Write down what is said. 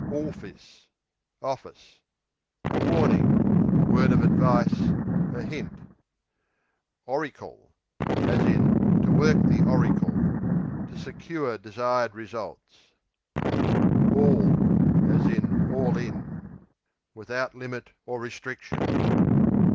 Orfis (office) A warning; a word of advice; a hint. Oricle (oracle), to work the To secure desired results. Orl (all in) Without limit or restriction.